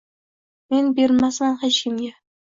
Men bermasman hech kimga.